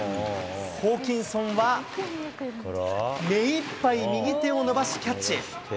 ホーキンソンは、目いっぱい右手を伸ばし、キャッチ。